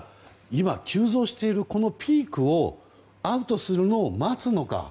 今、急増しているこのピークをアウトするのを待つのか